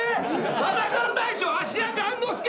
『裸の大将』芦屋雁之助。